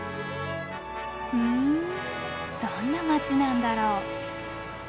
ふんどんな街なんだろう。